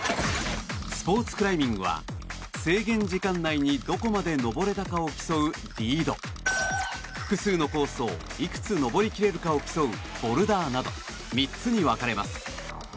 スポーツクライミングは制限時間内にどれだけ登れたかを競うリード複数のコースをいくつ登り切れるかを競うボルダーなど３つに分かれます。